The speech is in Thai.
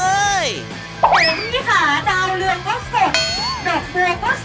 เอ็นนี่ค่ะจาวเรืองก็เสร็จ